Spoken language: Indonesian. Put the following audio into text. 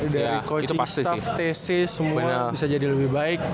dari coaching staff tc semua bisa jadi lebih baik